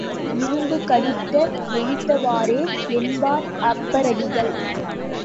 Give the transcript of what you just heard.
இரும்பு கடித்து எய்த்தவாறே என்பார் அப்பரடிகள்.